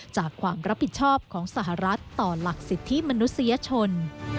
ความรับผิดชอบของสหรัฐต่อหลักสิทธิมนุษยชน